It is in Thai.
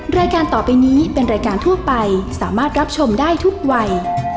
รายการต่อไปนี้เป็นรายการทั่วไปสามารถรับชมได้ทุกวัย